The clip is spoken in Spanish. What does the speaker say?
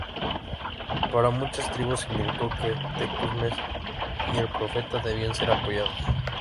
Para muchas tribus significó que Tecumseh y el Profeta debían ser apoyados.